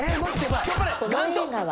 この映画は？